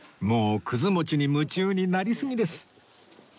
もうくず餅に夢中になりすぎです